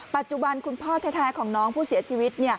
คุณพ่อแท้ของน้องผู้เสียชีวิต